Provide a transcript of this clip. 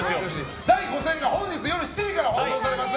第５戦が本日夜７時から放送されます。